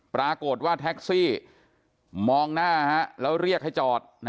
ปรากฏว่าแท็กซี่มองหน้าแล้วเรียกให้จอด